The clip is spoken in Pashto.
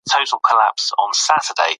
که جهیز کم وي نو واده نه ځنډیږي.